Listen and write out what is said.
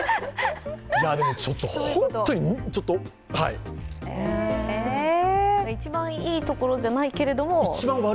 本当に、はい一番いいところじゃないけれども？